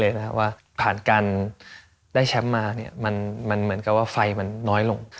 เพราะว่าผ่านการได้แชมป์มาเนี่ยมันเหมือนกับว่าไฟมันน้อยลง